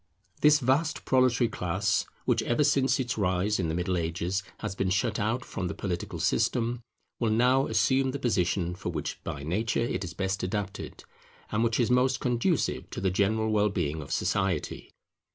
This vast proletary class, which ever since its rise in the Middle Ages has been shut out from the political system, will now assume the position for which by nature it is best adapted, and which is most conducive to the general well being of society.